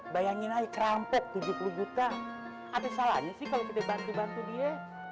bayangin aja kerampet tujuh puluh juta ada salahnya sih kalau kita bantu bantu dia